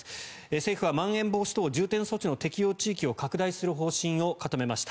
政府はまん延防止等重点措置の適用地域を拡大する方針を固めました。